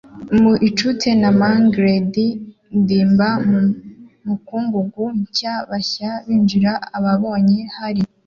Mu ucitse na mangled ndimba mu mukungugu, nshya-bashya binjiye ababonye hari,